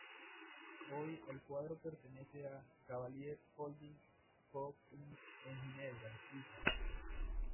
Hoy el cuadro pertenece a Cavaliere Holding, Co., Inc., en Ginebra, Suiza.